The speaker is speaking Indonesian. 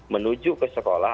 menuju ke sekolah